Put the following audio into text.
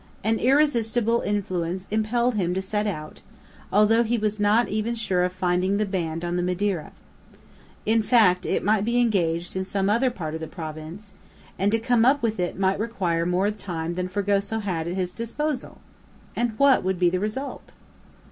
An irresistible influence impelled him to set out, although he was not even sure of finding the band on the Madeira. In fact, it might be engaged in some other part of the province, and to come up with it might require more time than Fragoso had at his disposal! And what would be the result?